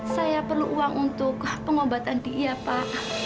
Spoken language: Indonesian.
saya perlu uang untuk pengobatan dia pak